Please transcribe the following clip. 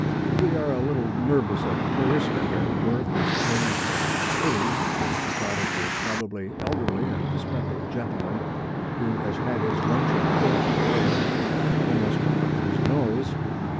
We are a little nervous at first, and our mirth is tinged with pity at the thought of the probably elderly and dyspeptic gentleman who has had his luncheon filched away almost from under his nose.